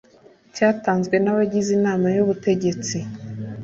cyatanzwe n abagize inama y ubutegetsi